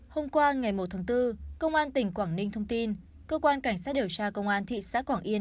hôm qua ngày một tháng bốn công an tỉnh quảng ninh thông tin cơ quan cảnh sát điều tra công an thị xã quảng yên